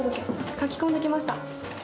書き込んできました。